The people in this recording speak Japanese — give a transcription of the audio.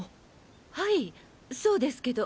はいそうですけど。